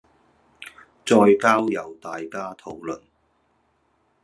再交由大家討論